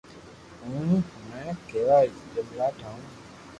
ھون ھمو ڪيوا جملا ٺاھو